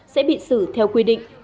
sẽ bị xử theo quy định